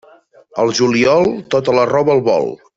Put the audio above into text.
Al juliol, tota la roba al vol.